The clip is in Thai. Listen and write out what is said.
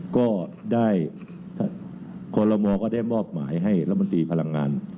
ก็ได้คอลโลมอก็ได้มอบหมายให้รัฐมนตรีพลังงาน